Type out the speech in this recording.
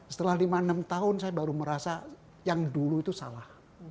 setelah lima enam tahun saya baru merasa yang dulu itu salah